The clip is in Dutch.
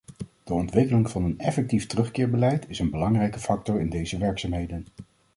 De ontwikkeling van een effectief terugkeerbeleid is een belangrijke factor in deze werkzaamheden.